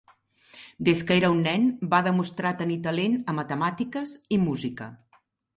Des que era un nen, va demostrar tenir talent a matemàtiques i música.